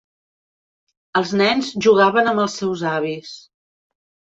Els nens jugaven amb els seus avis.